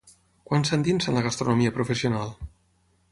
Quan s'endinsa en la gastronomia professional?